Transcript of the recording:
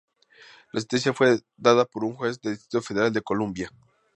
La sentencia fue dada por un juez del Distrito Federal de Columbia.